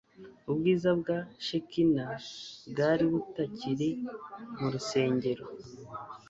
Ubwiza bwa Shekina bwari butakiri mu rusengero,